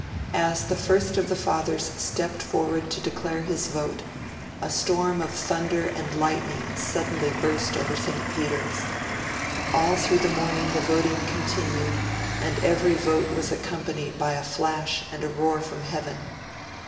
As the first of the Fathers stepped forward to declare his vote, a storm of thunder and lightning suddenly burst over St. Peter's. All through the morning the voting continued, and every vote was accompanied by a flash and a roar from heaven.